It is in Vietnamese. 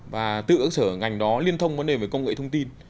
và tự ứng sở ngành đó liên thông vấn đề về công nghệ thông tin